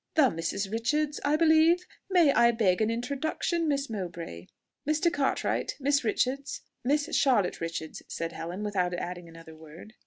The Misses Richards, I believe? May I beg an introduction, Miss Mowbray?" "Mr. Cartwright, Miss Richards Miss Charlotte Richards," said Helen, without adding another word.